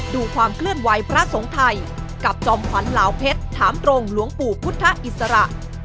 ดูความเคลื่อนไหวพระสงฆ์ไทยกับจอมขวัญเหลาเพชรถามตรงหลวงปู่พุทธอิสระ